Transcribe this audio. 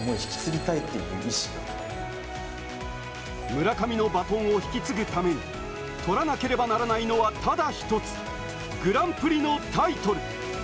村上のバトンを引き継ぐために取らなければならないのはただ一つ、グランプリのタイトル。